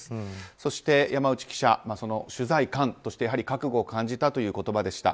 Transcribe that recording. そして山内記者、取材感としてやはり覚悟を感じたという言葉でした。